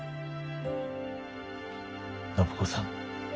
暢子さん。